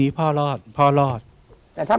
พี่น้องรู้ไหมว่าพ่อจะตายแล้วนะ